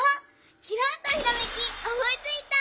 きらんとひらめきおもいついた！